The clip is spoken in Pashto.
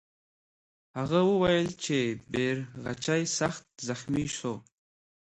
هغه وویل چې بیرغچی سخت زخمي سو.